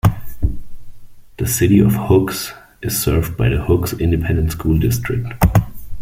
The City of Hooks is served by the Hooks Independent School District.